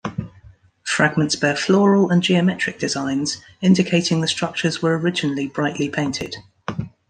Fragments bear floral and geometric designs, indicating the structures were originally brightly painted.